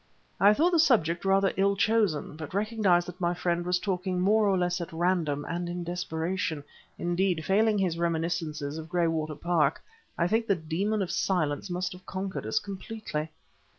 I thought the subject rather ill chosen, but recognized that my friend was talking more or less at random and in desperation; indeed, failing his reminiscences of Graywater Park, I think the demon of silence must have conquered us completely.